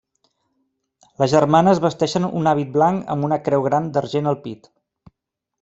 Les germanes vesteixen un hàbit blanc amb una creu gran d'argent al pit.